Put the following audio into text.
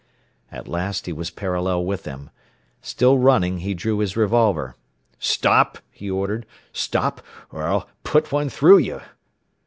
At last he was parallel with them. Still running, he drew his revolver. "Stop!" he ordered. "Stop, or I'll put one through you!"